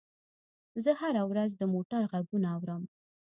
زه هره ورځ د موټر غږونه اورم.